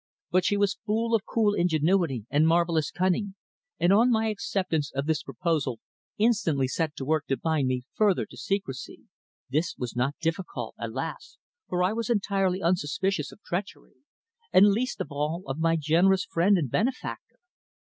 But she was full of cool ingenuity and marvellous cunning, and on my acceptance of this proposal instantly set to work to bind me further to secrecy. This was not difficult, alas! for I was entirely unsuspicious of treachery, and least of all of my generous friend and benefactor.